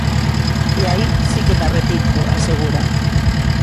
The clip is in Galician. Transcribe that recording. E aí si que me arrepinto, asegura.